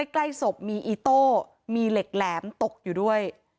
ใกล้ศพมีอีโต้มีเหล็กแหลมตกอยู่ด้วย